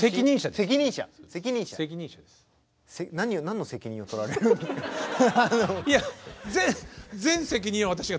何の責任を取られるのか。